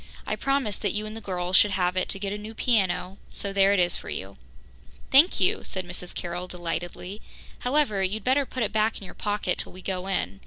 I promised that you and the girls should have it to get a new piano, so there it is for you." "Thank you," said Mrs. Carroll delightedly. "However, you'd better put it back in your pocket till we go in.